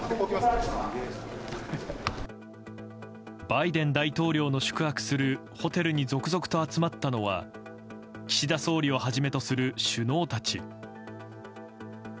バイデン大統領の宿泊するホテルに続々と集まったのは岸田総理をはじめとする首脳たち。